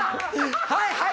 はいはい！